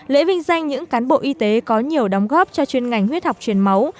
lễ vinh danh những cán bộ y tế có nhiều đóng góp cho chuyên ngành huyết học truyền máu